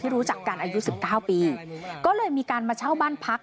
ที่รู้จักกันอายุสิบเก้าปีก็เลยมีการมาเช่าบ้านพัก